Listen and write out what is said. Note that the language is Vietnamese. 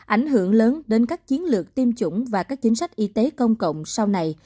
ảnh hưởng lớn đến các chiến lược tiêm chủng và các chính sách y tế công cộng sau này